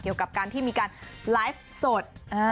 เกี่ยวกับการที่มีการไลฟ์สด